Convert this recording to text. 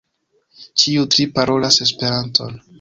Ĉiuj tri parolas Esperanton.